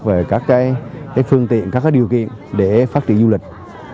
về các phương tiện các điều kiện để phát triển du lịch